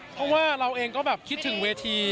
เพราะว่าเราเองก็แบบคิดถึงเวที